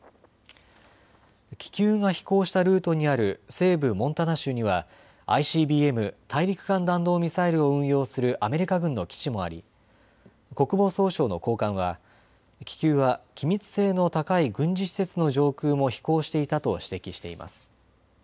気球が飛行したルートにある西部モンタナ州にはＩＣＢＭ・大陸間弾道ミサイルを運用するアメリカ軍の基地もあり、国防総省の高官は気球は機密性の高い軍事施設の上空も飛行していたと指摘しています。